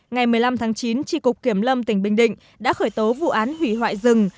ngày một mươi năm tháng chín tri cục kiểm lâm tỉnh bình định đã khởi tố vụ án hủy hoại rừng